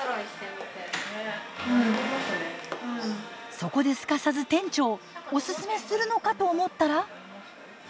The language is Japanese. そこですかさず店長オススメするのかと思ったら。